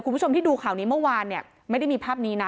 คุณผู้ชมที่ดูข่าวนี้เมื่อวานเนี่ยไม่ได้มีภาพนี้นะ